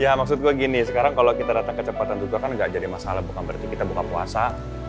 ya maksudku gini sekarang kalau kita datang kecepatan juga kan gak jadi masalah bukan berarti kita buka puasa